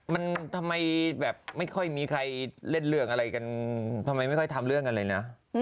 มันทำไมแบบไม่ค่อยมีใครเล่นเรื่องอะไรกันทำไมไม่ค่อยทำเรื่องกันเลยนะ